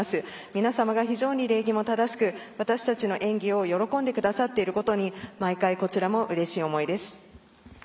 皆様が非常に礼儀も正しく私たちの演技を喜んでくださっていることに毎回、こちらもうれしい思いです。